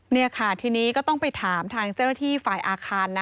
นี่ค่ะทีนี้ก็ต้องไปถามทางเจ้าหน้าที่ฝ่ายอาคารนะ